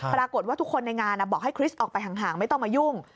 ปรากฏว่าทุกคนในงานบอกให้คริสต์ออกไปห่างไม่ต้องมายุ่ง